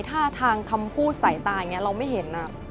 ท่าทางคำพูดสายตาอย่างนี้เราไม่เห็น